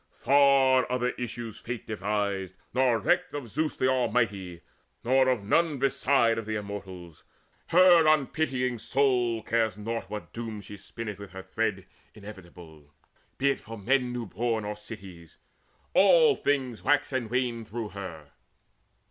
Far other issues Fate devised, nor recked Of Zeus the Almighty, nor of none beside Of the Immortals. Her unpitying soul Cares naught what doom she spinneth with her thread Inevitable, be it for men new born Or cities: all things wax and wane through her.